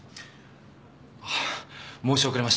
あっ申し遅れました。